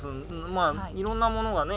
まあいろんなものがね